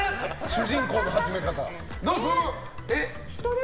主人公の始め方。